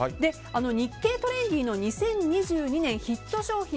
「日経トレンディ」の２０２２年ヒット商品